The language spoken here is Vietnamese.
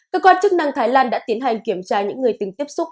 cơ quan chức năng thái lan đã tiến hành kiểm tra những người từng tiếp xúc